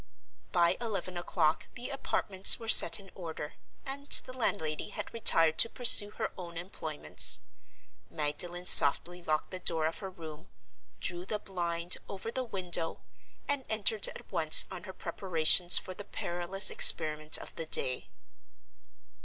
By eleven o'clock the apartments were set in order, and the landlady had retired to pursue her own employments. Magdalen softly locked the door of her room, drew the blind over the window, and entered at once on her preparations for the perilous experiment of the day.